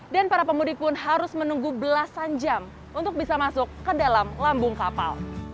dan para pemudik pun harus menunggu belasan jam untuk bisa masuk ke dalam lambung kapal